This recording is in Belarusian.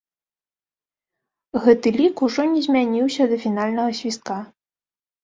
Гэты лік ужо не змяніўся да фінальнага свістка.